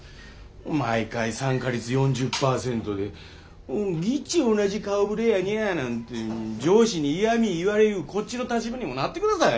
毎回参加率４０％で「ぎっち同じ顔ぶれやにゃあ」なんて上司に嫌み言われゆうこっちの立場にもなってください。